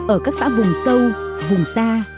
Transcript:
ở các xã vùng sâu vùng xa